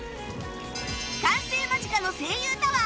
完成間近の声優タワー